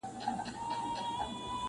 ملګرو داسي وخت به راسي چي یاران به نه وي-